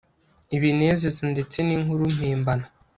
ibinezeza ndetse ninkuru mpimbano